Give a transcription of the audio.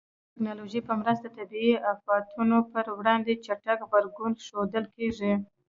د ټکنالوژۍ په مرسته د طبیعي آفاتونو پر وړاندې چټک غبرګون ښودل کېږي.